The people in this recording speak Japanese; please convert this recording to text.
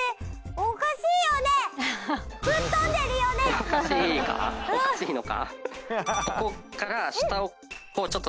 おかしいのか？